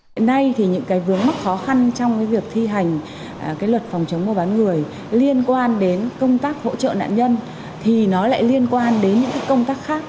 hiện nay thì những cái vướng mắc khó khăn trong cái việc thi hành luật phòng chống mua bán người liên quan đến công tác hỗ trợ nạn nhân thì nó lại liên quan đến những công tác khác